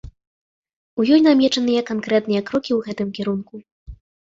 У ёй намечаныя канкрэтныя крокі ў гэтым кірунку.